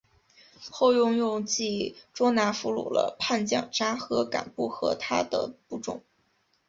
后又用计捉拿俘虏了叛将札合敢不和他的部众。